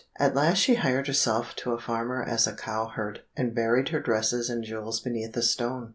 At last she hired herself to a farmer as a cow herd, and buried her dresses and jewels beneath a stone.